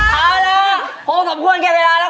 เอาล่ะพูดถอดควรเกลียดเวลาแล้ว